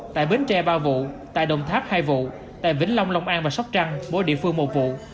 tại bến tre ba vụ tại đồng tháp hai vụ tại vĩnh long long an và sóc trăng mỗi địa phương một vụ